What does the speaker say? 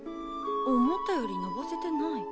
思ったよりのぼせてない。